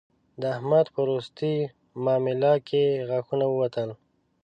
د احمد په روستۍ مامله کې غاښونه ووتل